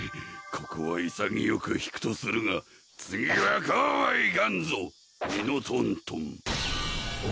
ここはいさぎよく引くとするが次はこうはいかんぞミノトントン！